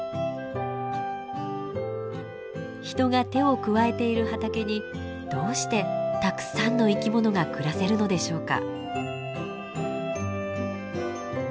人が手を加えている畑にどうしてたくさんの生き物が暮らせるのでしょうか。